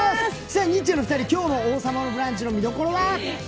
ニッチェのお二人、今日の「王様のブランチ」の見どころは？